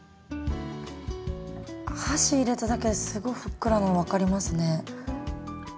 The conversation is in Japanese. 箸入れただけですごいふっくらなの分かりますね。